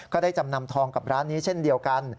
ก็ได้จำนำทองกับร้านนี้เช่นเดียวกัน